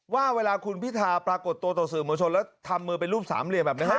ว่าเวลาคุณพิธาปรากฏตัวต่อสื่อมวลชนแล้วทำมือเป็นรูปสามเหลี่ยมแบบนี้